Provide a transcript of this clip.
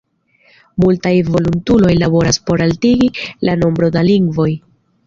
Multaj volontuloj laboras por altigi la nombron da lingvoj.